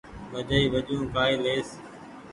ڀجئي وجون ڪآئي ليئس